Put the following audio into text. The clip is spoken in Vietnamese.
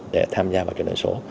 để tham gia vào kết nối số